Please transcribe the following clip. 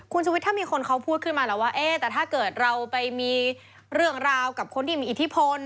คุณชุวิตถ้ามีคนเขาพูดขึ้นมาแล้วว่าเอ๊ะแต่ถ้าเกิดเราไปมีเรื่องราวกับคนที่มีอิทธิพล